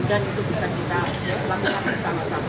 dan itu bisa kita lakukan bersama sama